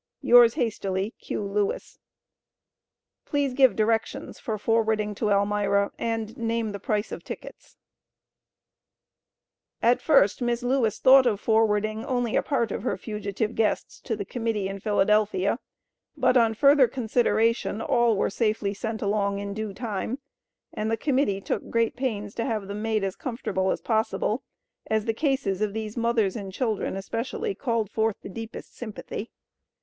Yours hastily, Q. LEWIS. Please give directions for forwarding to Elmira and name the price of tickets. At first Miss Lewis thought of forwarding only a part of her fugitive guests to the Committee in Philadelphia, but on further consideration, all were safely sent along in due time, and the Committee took great pains to have them made as comfortable as possible, as the cases of these mothers and children especially called forth the deepest sympathy.